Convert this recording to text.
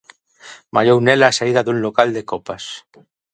Mallou nela á saída dun local de copas.